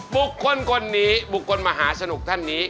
บุคคลคนนี้บุคคลมหาสนุกท่านนี้